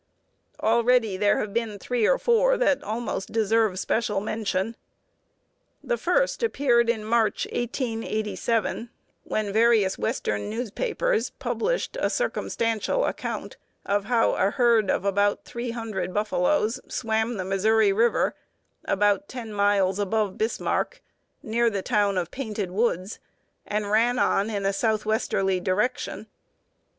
Already there have been three or four that almost deserve special mention. The first appeared in March, 1887, when various Western newspapers published a circumstantial account of how a herd of about three hundred buffaloes swam the Missouri River about 10 miles above Bismarck, near the town of Painted Woods, and ran on in a southwesterly direction.